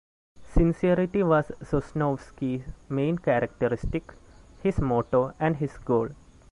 Sincerity was Sosnovsky' main characteristic, his motto and his goal.